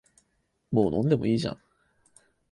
もう飲んでもいいじゃん